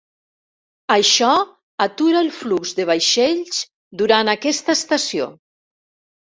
Això atura el flux de vaixells durant aquesta estació.